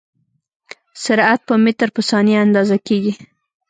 سرعت په متر په ثانیه اندازه کېږي.